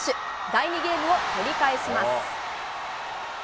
第２ゲームを取り返します。